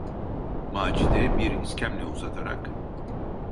Macide bir iskemle uzatarak: